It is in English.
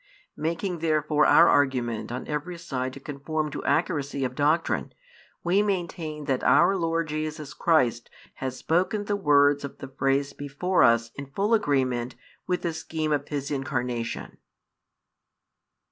Making therefore our argument on every side to conform to accuracy of doctrine, we maintain that our Lord Jesus Christ has spoken the words of the phrase before us in full agreement with the scheme of His Incarnation.